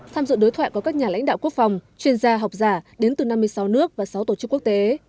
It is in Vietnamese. tham dự đối thoại có các nhà lãnh đạo quốc phòng chuyên gia học giả đến từ năm mươi sáu nước và sáu tổ chức quốc tế